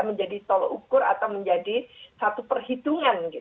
menjadi tol ukur atau menjadi satu perhitungan